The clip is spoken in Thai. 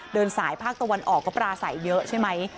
เดินสายภาคตะวันออกก็ปราศัยเยอะใช่ไหม